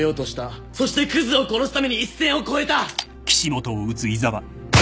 そしてくずを殺すために一線を越えた。